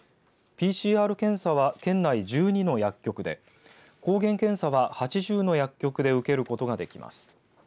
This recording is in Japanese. ＰＣＲ検査は、県内１２の薬局で抗原検査は８０の薬局で受けることができます。